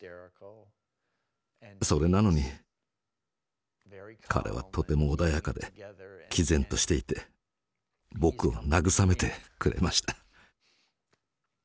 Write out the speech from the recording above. それなのに彼はとても穏やかで毅然としていて僕を慰めてくれました。